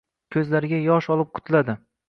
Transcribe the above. Ko‘zlariga yosh olib qutladi.